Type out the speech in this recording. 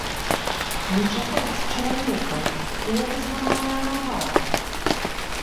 Не чапайце чалавека, у яго зламаная нага!